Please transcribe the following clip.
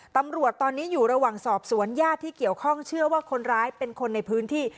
ตำรวจตอนนี้อยู่ระหว่างสอบสวนญาติที่เกี่ยวข้องเชื่อว่าคนร้ายเป็นคนในพื้นที่